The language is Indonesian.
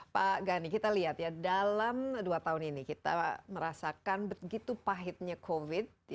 pak gani kita lihat ya dalam dua tahun ini kita merasakan begitu pahitnya covid